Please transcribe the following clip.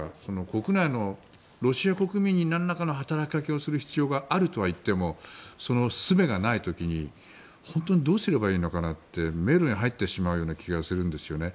国内のロシア国民に何らかの働きかけをする必要があるとはいってもそのすべがない時に本当にどうすればいいのかなって迷路に入ってしまうような気がするんですよね。